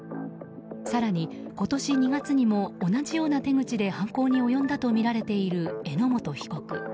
更に今年２月にも同じような手口で犯行に及んだとみられている榎本被告。